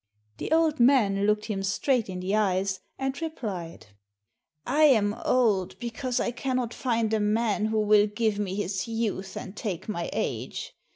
The old man looked him straight in the eyes and replied, " I am old because I cannot find a man who will give me his youth and take my age.